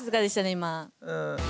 今。